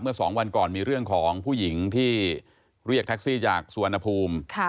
เมื่อสองวันก่อนมีเรื่องของผู้หญิงที่เรียกแท็กซี่จากสวนภูมิค่ะ